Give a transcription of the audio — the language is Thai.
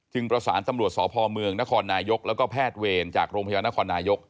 ประสานตำรวจสพเมืองนครนายกแล้วก็แพทย์เวรจากโรงพยาบาลนครนายก